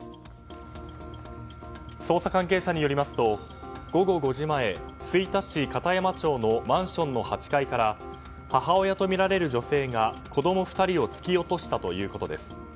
捜査関係者によりますと午後５時前吹田市片山町のマンションの８階から母親とみられる女性が子供２人を突き落としたということです。